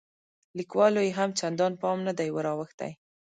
لیکوالو یې هم چندان پام نه دی وراوښتی.